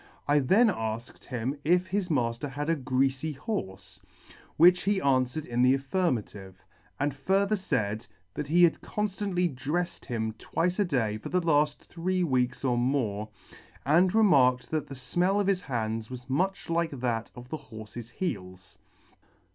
I then alked him if his mafter had a greafy horfe ? which he anfwered in the affirmative ; and further faid, that he had con ftantly drefled him twice a day for the laft three weeks or more, and remarked that the fmell of his hands was much like that of the horfe's heels.